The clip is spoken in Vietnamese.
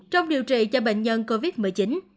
trong điều trị cho bệnh nhân covid một mươi chín